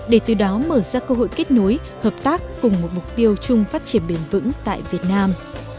để từ đó mở ra cơ hội kết nối hợp tác cùng một mục tiêu chung phát triển bền vững tại việt nam